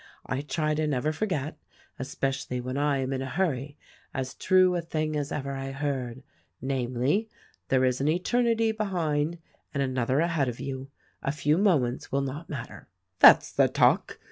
I try to never forget — especially when 1 am in a hurry — as true a thing as ever I heard ; namely. 'There is an eternity behind and another ahead of von : a few moments will not mat ter.'" "That's the talk!"